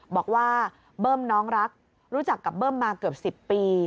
บอกว่าเบิ้มน้องรักรู้จักกับเบิ้มมาเกือบ๑๐ปี